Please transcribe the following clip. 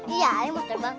iya iya mau terbang